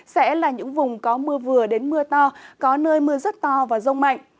sẽ là những vùng có mưa vừa đến mưa to có nơi mưa rất to và rông mạnh